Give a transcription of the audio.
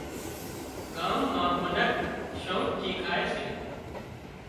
ڳام مان منک شوق ٿِي کائي سي